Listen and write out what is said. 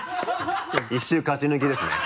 一週勝ち抜きですね。